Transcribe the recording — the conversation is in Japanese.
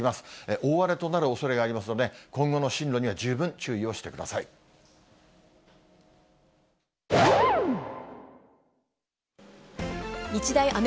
大荒れとなるおそれがありますので、今後の進路には十分注意をし「ビオレ」のまさつレス洗顔？